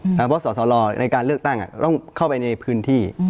เพราะสอสลในการเลือกตั้งต้องเข้าไปในพื้นที่